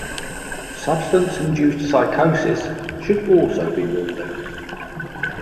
Substance-induced psychosis should also be ruled out.